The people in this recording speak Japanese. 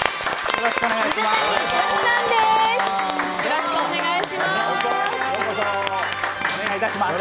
よろしくお願いします。